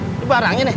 itu barangnya nih